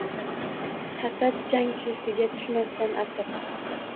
„Hasad jangchisiga tushmasdan asir